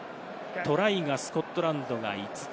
トライがスコットランドが５つ。